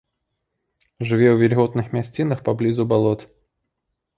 Жыве ў вільготных мясцінах, паблізу балот.